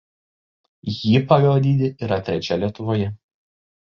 Ji pagal dydį yra trečia Lietuvoje.